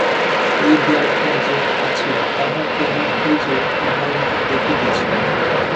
এই দেয়ালটা যে আছে, তাহার প্রমাণ এই যে, আমরা উহা দেখিতেছি।